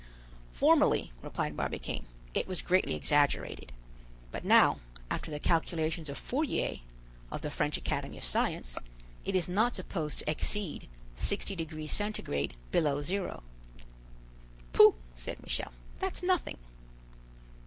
"Formerly," replied Barbicane, "it was greatly exagerated; but now, after the calculations of Fourier, of the French Academy of Science, it is not supposed to exceed 60° Centigrade below zero." "Pooh!" said Michel, "that's nothing!"